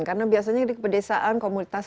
karena biasanya di pedesaan komunitas